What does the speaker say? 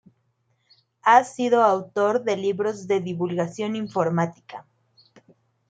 Ha sido autor de libros de divulgación informática.